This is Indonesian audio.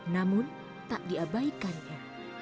namun tak diabaikannya